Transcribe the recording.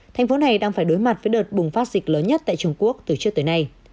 thành phố này đang phải đối mặt với đợt bùng phát dịch lớn nhất tại trung quốc từ trước tới nay